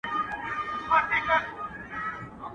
په گورم کي ئې خر نه درلودی، د گوروان سر ئې ور ماتاوه.